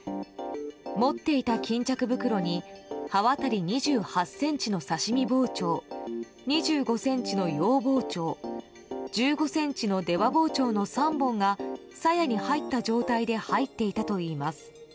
持っていた巾着袋に刃渡り２８ｃｍの刺し身包丁２５ｃｍの洋包丁１５ｃｍの出刃包丁の３本がさやに入った状態で入っていたといいます。